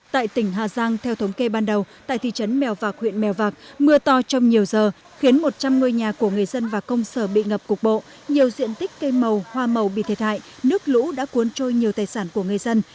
tại tỉnh hà giang theo thống kê ban đầu tại thị trấn mèo vạc huyện mèo vạc mưa to trong nhiều giờ khiến một trăm linh ngôi nhà của người dân và công sở bị ngập cục bộ nhiều diện tích cây màu hoa màu bị thiệt hại nước lũ đã cuốn trôi nhiều tài sản của người dân